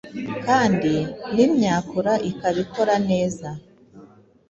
kandi n’imyakura ikaba ikora neza.